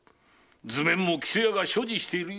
図面も木曽屋が所持している故